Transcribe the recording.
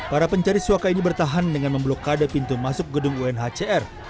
para pencari suaka ini bertahan dengan memblokade pintu masuk gedung unhcr